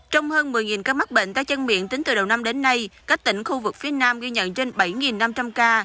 trong hơn một mươi ca mắc bệnh tay chân miệng tính từ đầu năm đến nay các tỉnh khu vực phía nam ghi nhận trên bảy năm trăm linh ca